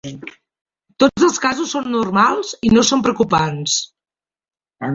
Tots els casos són normals i no són preocupants.